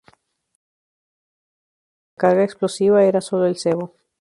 La camioneta Toyota con la carga explosiva era solo el cebo.